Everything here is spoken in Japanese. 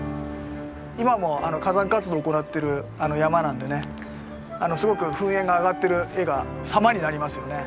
今も火山活動行ってる山なんでねすごく噴煙が上がってる画が様になりますよね。